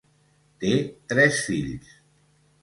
Té tres fills.